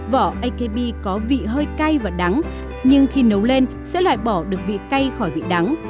vỏ akb có vị hơi cay và đắng nhưng khi nấu lên sẽ loại bỏ được vị cay khỏi vị đắng